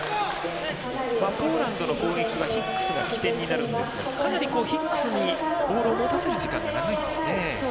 ポーランドの攻撃はヒックスが起点になるんですがかなりヒックスにボールを持たせる時間が長いですね。